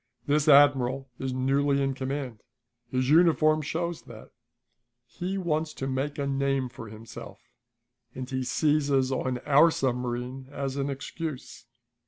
This admiral is newly in command; his uniform shows that. He wants to make a name for himself, and he seizes on our submarine as an excuse.